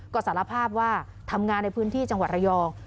ก็สารภาพว่าทำงานในพื้นที่จังหวัดระยอง